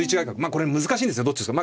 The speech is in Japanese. これ難しいんですよどっち打つか。